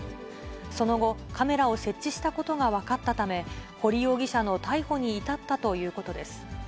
その後、カメラを設置したことが分かったため、堀容疑者の逮捕に至ったということです。